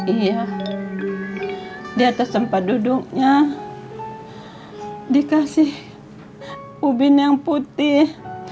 iya di atas tempat duduknya dikasih ubin yang putih